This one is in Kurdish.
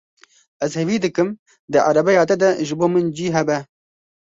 Ez hêvî dikim di erebeya te de ji bo min cî hebe.